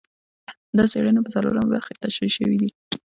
دا څېړنې په څلورمه برخه کې تشرېح شوي دي.